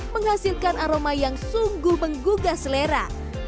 menghasilkan aroma yang sungguh menggugah selera